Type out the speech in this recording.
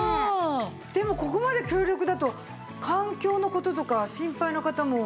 でもここまで強力だと環境の事とか心配な方も。